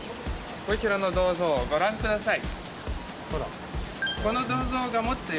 こちらの銅像をご覧ください